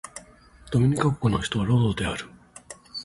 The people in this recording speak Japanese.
ドミニカ国の首都はロゾーである